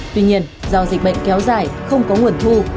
tuy nhiên do dịch bệnh kéo dài không có nguồn thu